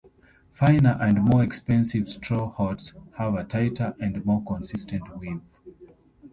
Finer and more expensive straw hats have a tighter and more consistent weave.